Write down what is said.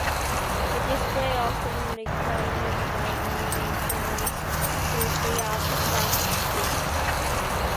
The displays often required minor maintenance to free up "stuck" discs.